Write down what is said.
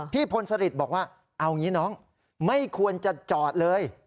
พลสริตบอกว่าเอางี้น้องไม่ควรจะจอดเลย